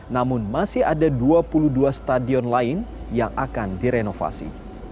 namun masih ada dua puluh dua stadion lain yang akan direnovasi